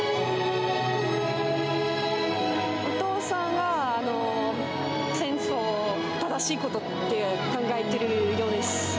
お父さんは、戦争を正しいことって考えているようです。